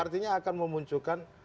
artinya akan memunculkan